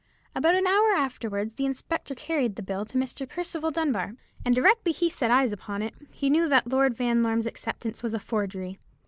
About an hour afterwards the inspector carried the bill to Mr. Percival Dunbar, and directly he set eyes upon it, he knew that Lord Vanlorme's acceptance was a forgery.